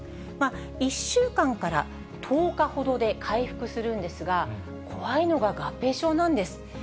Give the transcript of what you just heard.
１週間から１０日ほどで回復するんですが、怖いのが合併症なんです。